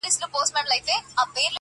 • په دې کور کي فقط دا سامان را ووت ,